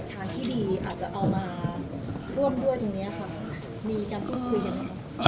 มีการพูดคุยอย่างไรครับ